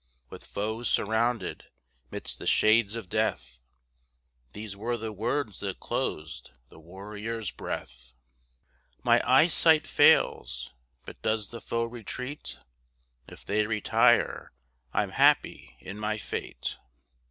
With foes surrounded, midst the shades of death, These were the words that closed the warrior's breath "My eyesight fails! but does the foe retreat? If they retire, I'm happy in my fate!"